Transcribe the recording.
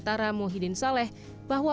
terkait misalnya di